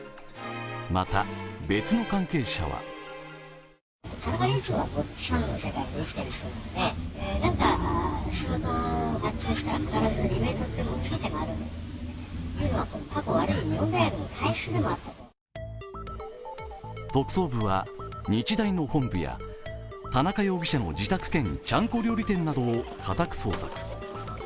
また別の関係者は特捜部は日大の本部や田中容疑者の自宅兼ちゃんこ料理店などを家宅捜索。